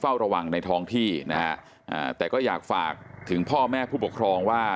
เฝ้าระวังในท้องที่นะฮะอ่าแต่ก็อยากฝากถึงพ่อแม่ผู้ปกครองว่า